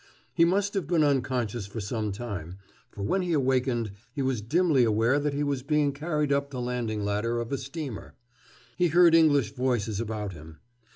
He must have been unconscious for some time, for when he awakened he was dimly aware that he was being carried up the landing ladder of a steamer. He heard English voices about him.